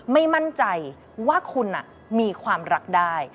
ไม่มั่นใจว่าคุณมีความรักได้